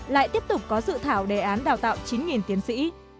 lại tiếp tục có dự thảo đề án đào tạo chín tiến sĩ